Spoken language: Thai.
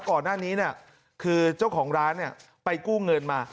ก่อนหน้านี้คือเจ้าของร้านไปกู้เงินมา